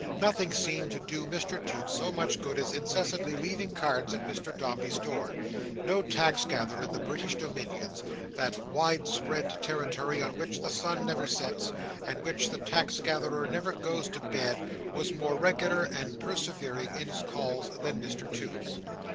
Nothing seemed to do Mr Toots so much good as incessantly leaving cards at Mr Dombey's door. No taxgatherer in the British Dominions—that wide spread territory on which the sun never sets, and where the tax gatherer never goes to bed—was more regular and persevering in his calls than Mr Toots.